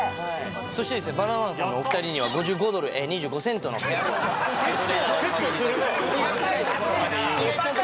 そしてバナナマンさんのお二人には５５ドル２５セントのペアルックのトレーナーを。